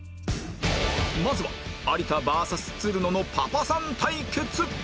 まずは有田 ＶＳ つるののパパさん対決